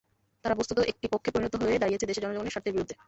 তারা বস্তুত একটি পক্ষে পরিণত হয়ে দাঁড়িয়েছে দেশের জনগণের স্বার্থের বিরুদ্ধে।